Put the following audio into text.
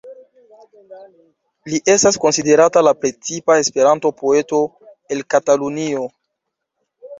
Li estas konsiderata la precipa Esperanto-poeto el Katalunio.